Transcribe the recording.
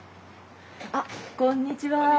あこんにちは。